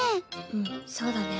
うんそうだね。